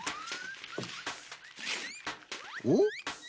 おっ？